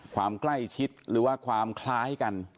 ความใกล้ชิดหรือว่าความคล้ายกัน